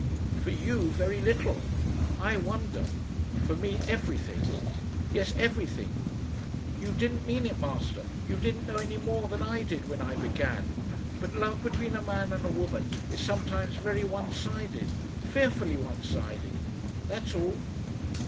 "For you very little. I wonder. For me every thing. Yes everything. You didn't mean it, Master; you didn't know any more than I did when I began, but love between a man and a woman is sometimes very one sided. Fearfully one sided! That's all...."